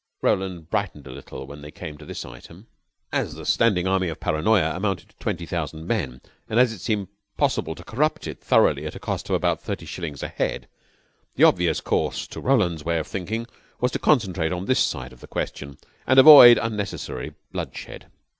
Roland brightened a little when they came to this item. As the standing army of Paranoya amounted to twenty thousand men, and as it seemed possible to corrupt it thoroughly at a cost of about thirty shillings a head, the obvious course, to Roland's way of thinking was to concentrate on this side of the question and avoid unnecessary bloodshed.